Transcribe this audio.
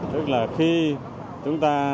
tức là khi chúng ta